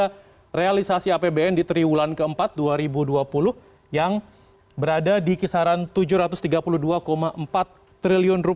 ada realisasi apbn di triwulan keempat dua ribu dua puluh yang berada di kisaran rp tujuh ratus tiga puluh dua empat triliun